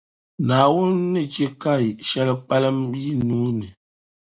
Naawuni ni chɛ ka shεli kpalim yi nuu ni.